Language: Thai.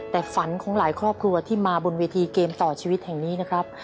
แต่ฝันของหลายครอบครัวที่มาบนเวทีเกมต่อชีวิตแห่งนี้นะครับ